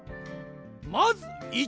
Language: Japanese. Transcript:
まず１！